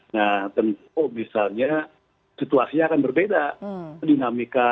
nah tentu misalnya situasinya akan berbeda